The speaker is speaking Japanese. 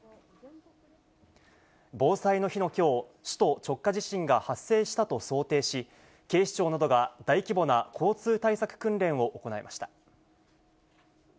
防災の日のきょう、首都直下地震が発生したと想定し、警視庁などが大規模な交通対策訓練を行いました。